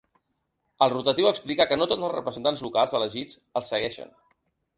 El rotatiu explica que no tots els representants locals elegits ‘el segueixen’.